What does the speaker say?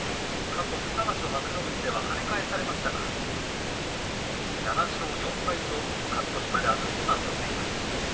過去２場所、幕内では跳ね返されましたが７勝４敗と、勝ち越しまであと一番としています。